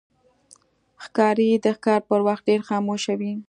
ښکاري د ښکار پر وخت ډېر خاموش وي.